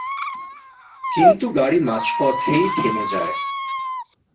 কিন্তু গাড়ি মাঝপথেই থেমে যায়।